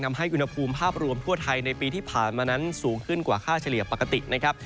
ทำให้อุณหภูมิภาพรวมทั่วไทยในปีที่ผ่านมานั้นสูงขึ้นกว่าค่าเฉลี่ยปกตินะครับ